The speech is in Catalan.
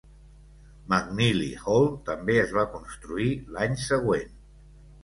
McNeely Hall també es va construir l'any següent.